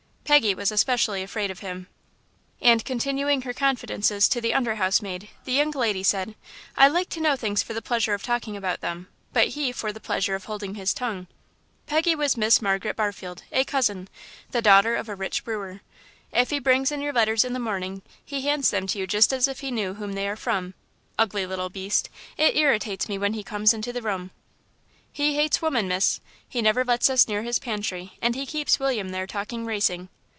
Peggy was especially afraid of him. And, continuing her confidences to the under housemaid, the young lady said, "I like to know things for the pleasure of talking about them, but he for the pleasure of holding his tongue." Peggy was Miss Margaret Barfield, a cousin, the daughter of a rich brewer. "If he brings in your letters in the morning he hands them to you just as if he knew whom they are from. Ugly little beast; it irritates me when he comes into the room." "He hates women, Miss; he never lets us near his pantry, and he keeps William there talking racing."